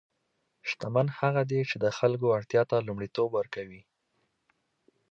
شتمن هغه دی چې د خلکو اړتیا ته لومړیتوب ورکوي.